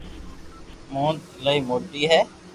مونٽ ايلائي موٽي ھي